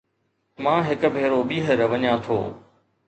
مان هڪ ڀيرو ٻيهر وڃان ٿو